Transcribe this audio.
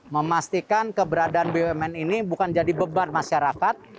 memastikan keberadaan bumn ini bukan jadi beban masyarakat